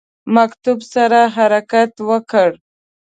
مکتوب سره حرکت وکړ.